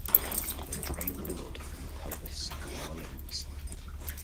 They drain blood from the pelvis and lower limbs.